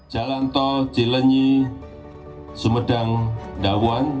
jalan tol cilenyi sumedang dawan